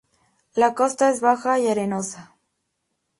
La costa es baja y arenosa.